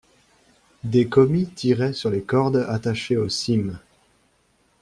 Des commis tiraient sur les cordes attachées aux cimes.